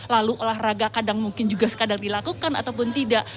lalu olahraga kadang mungkin juga sekadar dilakukan ataupun tidak